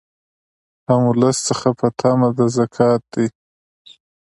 هم ولس څخه په طمع د زکات دي